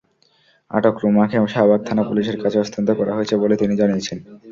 আটক রুমাকে শাহবাগ থানা-পুলিশের কাছে হস্তান্তর করা হয়েছে বলে তিনি জানিয়েছেন।